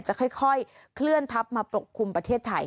จะค่อยเคลื่อนทับมาปกคลุมประเทศไทย